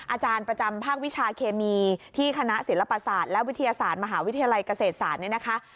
อาจารย์ประจำภาควิชาเคมีที่คณะศิลปศาสตร์และวิทยาศาสตร์มหาวิทยาลัยเกษตรศาสตร์เนี่ยนะคะ